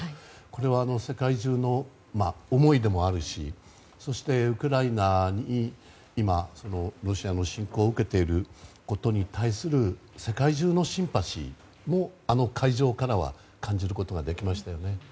これは、世界中の思いでもあるしそして、ウクライナに今、ロシアの侵攻を受けていることに対する世界中のシンパシーもあの会場からは感じることができましたよね。